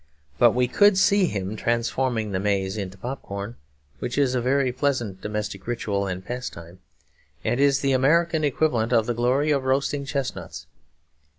But we could see him transforming the maize into pop corn, which is a very pleasant domestic ritual and pastime, and is the American equivalent of the glory of roasting chestnuts.